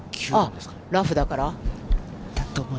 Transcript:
ラフだから？